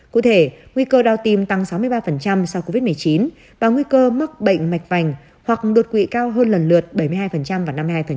cụ thể nguy cơ đau tim tăng sáu mươi ba sau covid một mươi chín và nguy cơ mắc bệnh mạch vành hoặc đột quỵ cao hơn lần lượt bảy mươi hai vào năm hai